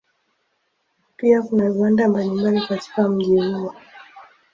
Pia kuna viwanda mbalimbali katika mji huo.